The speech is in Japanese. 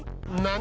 「何？